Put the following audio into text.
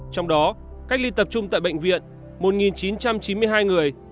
trong đó cách ly tập trung tại bệnh viện một chín trăm chín mươi hai người